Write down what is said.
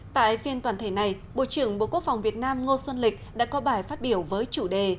tại phiên toàn thể này bộ trưởng bộ quốc phòng việt nam ngô xuân lịch đã có bài phát biểu với chủ đề